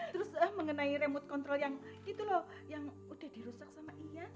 terus mengenai remote control yang itu loh yang udah dirusak sama iya